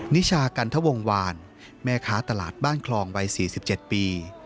นิชากันทวงวานแม่ค้าตลาดบ้านคลองวัย๔๗ปี